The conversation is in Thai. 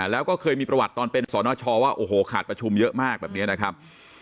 แล้วก็เคยมีประวัติตอนเป็นสนชว่าโอ้โหขาดประชุมเยอะมากแบบนี้นะครับ